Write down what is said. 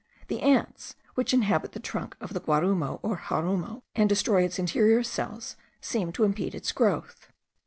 The ants, which inhabit the trunk of the guarumo, or jarumo, and destroy its interior cells, seem to impede its growth.